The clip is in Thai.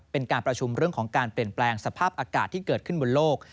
เป็นการประชุมเรื่องของการเปลี่ยนแปลงสภาพอากาศที่เกิดขึ้นบนโลก